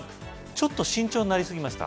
ちょっと慎重になりすぎました？